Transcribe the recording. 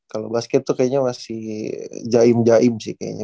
kalau basket tuh kayaknya masih jaim jaim sih kayaknya